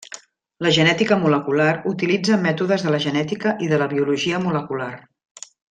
La genètica molecular utilitza mètodes de la genètica i de la biologia molecular.